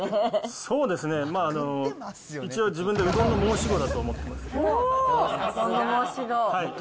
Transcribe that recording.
そうですね、まあ、一応、自分でうどんの申し子だと思ってます。